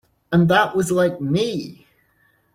And that was like me!